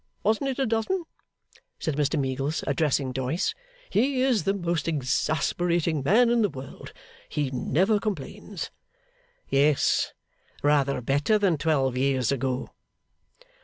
Wasn't it a dozen?' said Mr Meagles, addressing Doyce. 'He is the most exasperating man in the world; he never complains!' 'Yes. Rather better than twelve years ago.